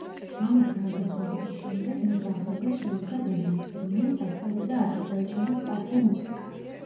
მამის გარდაცვალების შემდეგ, მის აღზრდას შეუდგა დედამისი, რომელიც ასწავლიდა აზერბაიჯანულ ხალხურ მუსიკას.